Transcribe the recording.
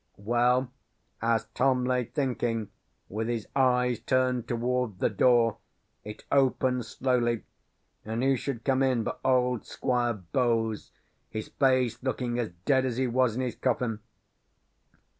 "Well, as Tom lay thinking, with his eyes turned toward the door, it opens slowly, and who should come in but old Squire Bowes, his face lookin' as dead as he was in his coffin.